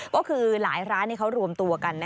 ก็คือหลายร้านเขารวมตัวกัน